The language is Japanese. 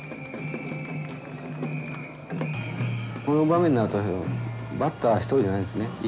この場面になるとバッター１人じゃないんですね。